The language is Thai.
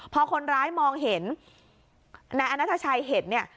พอคนร้ายมองเห็นนายอัณฑชัยเห็น